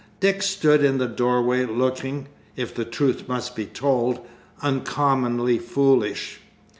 Dick stood in the doorway, looking (if the truth must be told) uncommonly foolish.